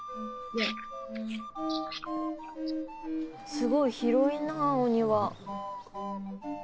すごい広いなぁお庭。